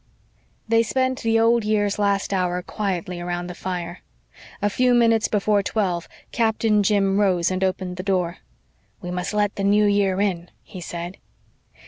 They spent the old year's last hour quietly around the fire. A few minutes before twelve Captain Jim rose and opened the door. "We must let the New Year in," he said.